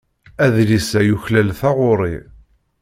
Adlis-a yuklal taɣuri.